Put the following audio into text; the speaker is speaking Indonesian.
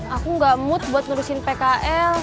aku nggak mood buat ngerusin pkl